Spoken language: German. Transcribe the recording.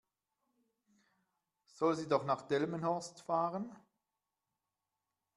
Soll sie doch nach Delmenhorst fahren?